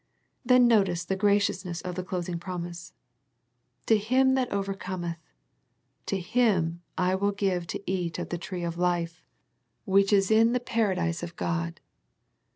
Then notice the graciousness of the closing promise. " To him that overcometh, to him will I give to eat of the tree of life, which is in The Ephesus Letter 53 the Paradise of God."